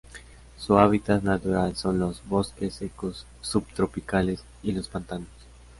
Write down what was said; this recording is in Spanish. Su hábitat natural son los bosque secos subtropicales y los pantanos.